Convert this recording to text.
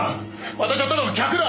私はただの客だ！